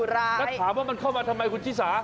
แล้วถามว่ามันเข้ามาทำไมคุณชิสา